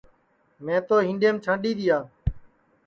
میں تو ہِنڈؔیم چھانڈِی دِؔیا